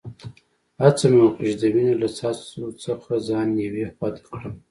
هڅه مې وکړل چي د وینې له څاڅکو څخه ځان یوې خوا ته کړم.